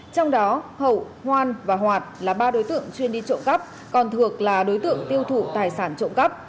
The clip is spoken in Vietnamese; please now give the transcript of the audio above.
trong đó hậu hoan và hoạt là ba đối tượng chuyên đi trộm cấp còn thược là đối tượng tiêu thụ tài sản trộm cấp